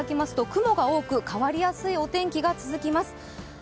雲が多く、変わりやすいお天気が続きます。